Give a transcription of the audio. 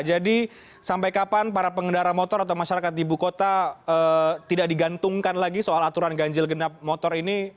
jadi sampai kapan para pengendara motor atau masyarakat di ibu kota tidak digantungkan lagi soal aturan ganjil genap motor ini